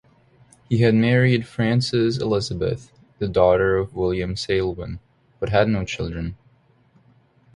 He had married Frances Elizabeth, the daughter of William Selwyn, but had no children.